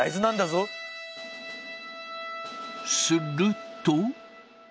すると。